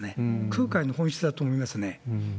空海の本質だと思いますね。